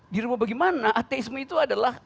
dirubah bagaimana ateisme itu adalah